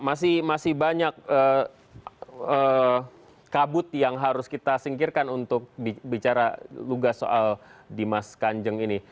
masih banyak kabut yang harus kita singkirkan untuk bicara lugas soal dimas kanjeng ini